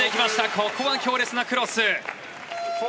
ここは強烈なクロス。